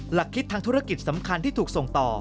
หลักคิดทางธุรกิจสำคัญที่ถูกส่งต่อ